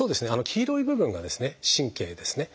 黄色い部分が神経ですね。